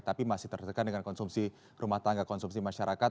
tapi masih tertekan dengan konsumsi rumah tangga konsumsi masyarakat